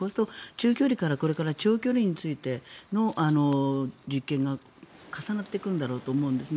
中距離から長距離についての実験が重なっていくんだろうと思います。